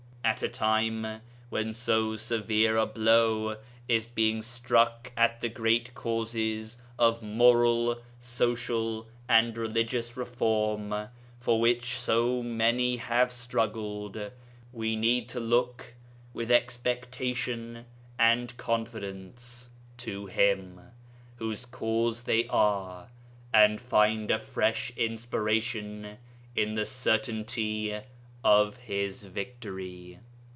At a time when so severe a blow is being struck at the great causes of moral, social, and religious reform for which so many have struggled, we need to look with expectation and confidence to Him, whose cause they are, and find a fresh inspiration in the certainty of His victory.